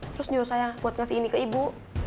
terus nyuruh saya buat ngasih ini ke ibu